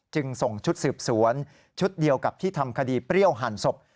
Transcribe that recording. จึงส่งชุดสืบสวนชุดเดียวกับที่ทำคดีเปรี้ยวหั่นศพ